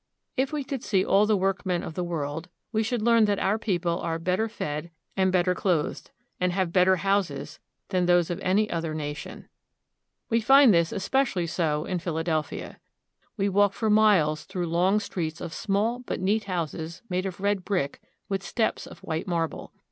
If we could see all the workmen of the world, we should learn that our people are better fed, and better clothed, and have better houses than those of any other nation. MANUFACTURES. 51 We find this especially so in Philadelphia. We walk for miles through long streets of small but neat houses made of red brick with steps of white marble.